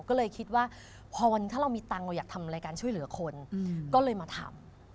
ก็เลยคิดว่าพอถ้าเรามีตังค์เราอยากทำรายการช่วยเหลือคนก็เลยมาทำ